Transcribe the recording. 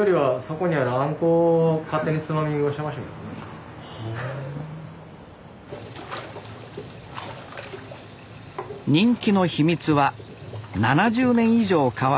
人気の秘密は７０年以上変わらぬあん